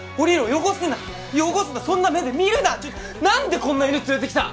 汚すな汚すなそんな目で見るな何でこんな犬連れてきた？